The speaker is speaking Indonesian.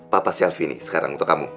papa selfie nih sekarang untuk kamu